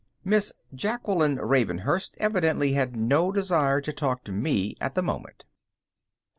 Miss Jaqueline Ravenhurst evidently had no desire to talk to me at the moment.